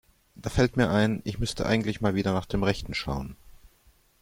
Da fällt mir ein, ich müsste eigentlich mal wieder nach dem Rechten schauen.